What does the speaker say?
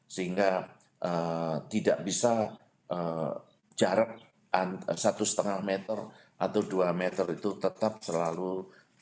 sehingga tidak bisa jarak satu lima meter atau dua meter itu tetap selalu